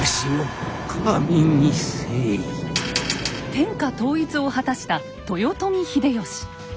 天下統一を果たした豊臣秀吉。